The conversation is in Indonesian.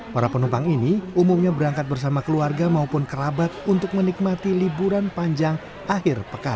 para penumpang ini umumnya berangkat bersama keluarga maupun kerabat untuk menikmati liburan panjang akhir pekan